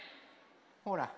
ほら。